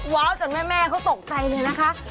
ว้าวจนแม่เขาตกใจเลยนะคะ